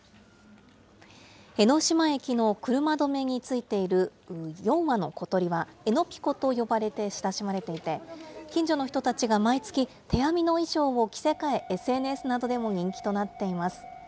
江ノ島駅の車止めについている４羽の小鳥は、江のピコと呼ばれて親しまれていて、近所の人たちが毎月、手編みの衣装を着せ替え、ＳＮＳなどでも人気となっています。